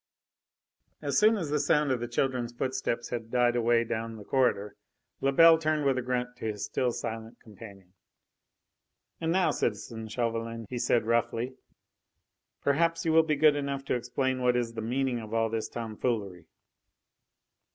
II As soon as the sound of the children's footsteps had died away down the corridor, Lebel turned with a grunt to his still silent companion. "And now, citizen Chauvelin," he said roughly, "perhaps you will be good enough to explain what is the meaning of all this tomfoolery."